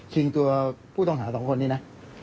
ชิงตัวผู้ต่องหา๒คนนี่นะ